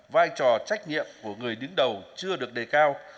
vai trò trách nhiệm của người đứng đầu chưa được đề cao